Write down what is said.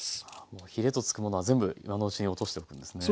もうヒレと付くものは全部今のうちに落としておくんですね。